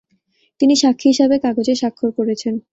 তিনি সাক্ষী হিসেবে কাগজে স্বাক্ষর করেছেন।